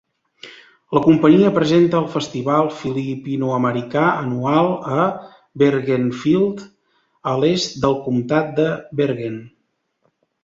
La companyia presenta el Festival filipino-americà anual a Bergenfield, a l'est del Comtat de Bergen.